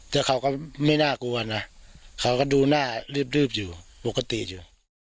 แต่เขาก็ไม่น่ากลัวนะเขาก็ดูหน้ารีบอยู่ปกติอยู่